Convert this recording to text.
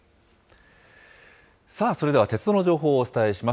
さあそれでは、鉄道の情報をお伝えします。